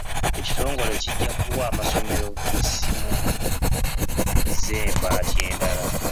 Ekitongole kijja kuwa amasomero essimu z'embaati endala.